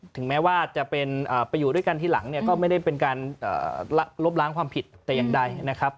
ถึงแม้ว่าจะไปอยู่ด้วยกันที่หลังก็ไม่ได้เป็นการลบล้างความผิดแต่อย่างใด